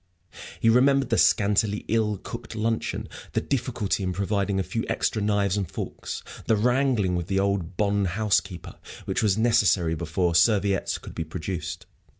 He remembered the scanty, ill cooked luncheon; the difficulty in providing a few extra knives and forks; the wrangling with the old bonne housekeeper, which was necessary before serviettes could be produced.